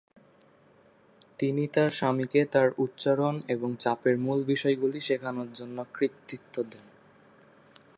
তিনি তার স্বামীকে তার উচ্চারণ এবং চাপের মূল বিষয়গুলি শেখানোর জন্য কৃতিত্ব দেন।